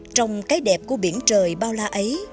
trong cái đẹp của biển trời bao la ấy